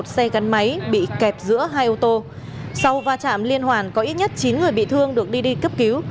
một xe gắn máy bị kẹp giữa hai ô tô sau va chạm liên hoàn có ít nhất chín người bị thương được đi đi cấp cứu